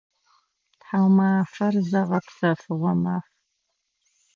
Тхьаумафэр зыгъэпсэфыгъо маф.